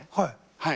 はい。